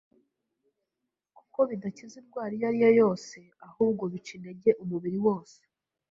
kuko bidakiza indwara iyo ariyo yose, ahubwo bica intege umubiri wose,